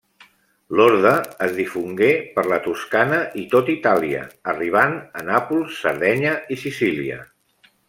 L'orde es difongué per la Toscana i tot Itàlia, arribant a Nàpols, Sardenya i Sicília.